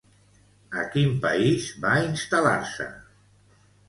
A quin país va instal·lar-se?